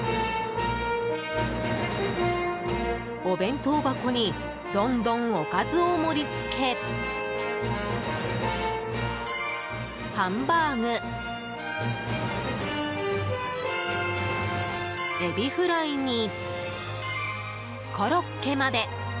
お弁当箱にどんどんおかずを盛り付けハンバーグエビフライにコロッケまで。